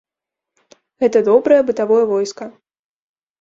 Гэта добрае бытавое войска.